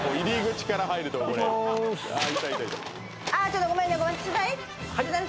ちょっとごめんね。